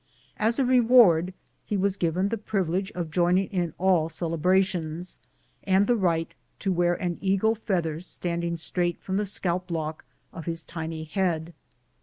As a reward he was given the privilege of joining in all celebrations, and the right to wear an eagle feather standing straight from the scalp lock of his tiny head.